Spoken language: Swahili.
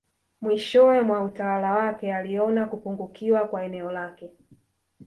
Mwishowe mwa utawala wake aliona kupungukiwa kwa eneo lake